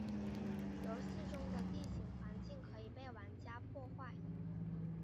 游戏中的地形环境可以被玩家破坏。